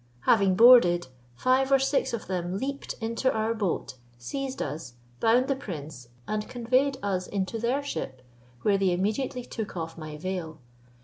Having boarded, five or six of them leaped into our boat, seized us, bound the prince, and conveyed us into their ship, where they immediately took off my veil.